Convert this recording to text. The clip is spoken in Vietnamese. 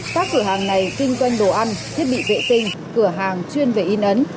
các cửa hàng này kinh doanh đồ ăn thiết bị vệ tinh cửa hàng chuyên về in ấn